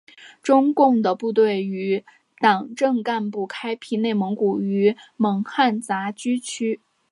中共的部队与党政干部开辟内蒙古与蒙汉杂居区。